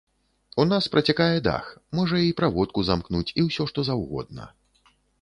У нас працякае дах, можа і праводку замкнуць і ўсё, што заўгодна.